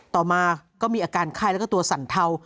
ต่อมาก็มีอาการไข้แล้วก็ตัวสั่นเทา